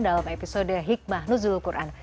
dalam episode hikmah nuzul quran